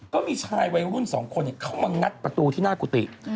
ก็มีชายวัยรุ่น๒คนเข้ามางัดประตูที่หน้ากุฏิ